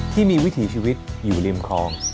วิถีชีวิตอยู่ริมคลอง